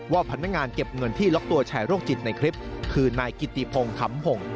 พนักงานเก็บเงินที่ล็อกตัวชายโรคจิตในคลิปคือนายกิติพงขำหง